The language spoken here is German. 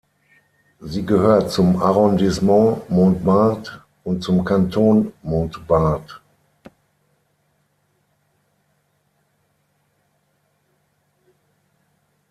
Sie gehört zum Arrondissement Montbard und zum Kanton Montbard.